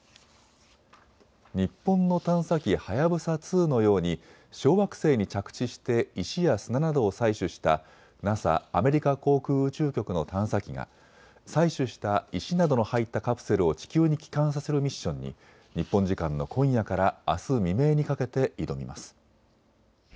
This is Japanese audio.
日本の探査機、はやぶさ２のように小惑星に着地して石や砂などを採取したＮＡＳＡ・アメリカ航空宇宙局の探査機が採取した石などの入ったカプセルを地球に帰還させるミッションに日本時間の今夜からあす未明にかけて挑みます。